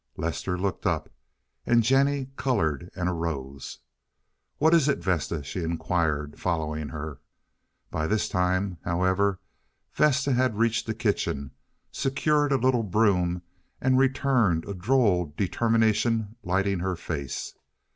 Lester looked up, and Jennie colored and arose. "What is it, Vesta?" she inquired, following her. By this time, however, Vesta had reached the kitchen, secured a little broom, and returned, a droll determination lighting her face.